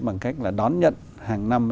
bằng cách là đón nhận hàng năm